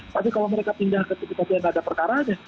tapi kalau mereka pindah ke tempat yang tidak ada perkaranya